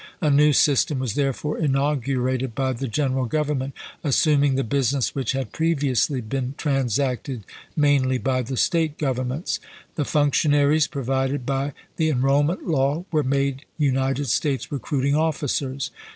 A new system was therefore inaugurated by the General Government, assuming the business which had previously been transacted mainly by the State governments. The functionaries provided by the enrollment law were made United States recruiting officers.